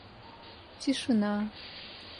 тишина